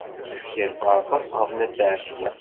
Yerfa aṭas ɣef Nna Seɛdiya.